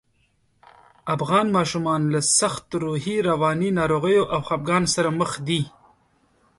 افغان ماشومان له سختو روحي، رواني ناروغیو او خپګان سره مخ دي